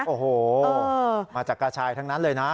โอ้โหมาจากกระชายทั้งนั้นเลยนะ